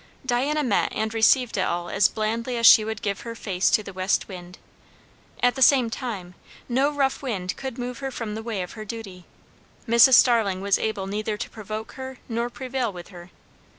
Diana met and received it all as blandly as she would give her face to the west wind; at the same time, no rough wind could move her from the way of her duty. Mrs. Starling was able neither to provoke her nor prevail with her.